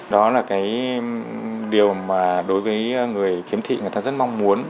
đó là cái điều mà đối với người khiếm thị người ta rất mong muốn